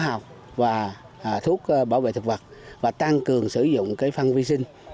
học và thuốc bảo vệ thực vật và tăng cường sử dụng phân vi sinh